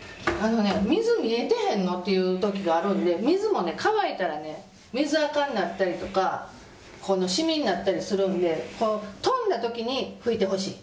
水見えてへんの？っていう時があるので水も乾いたら水垢になったりとかしみになったりするので飛んだ時に拭いてほしい。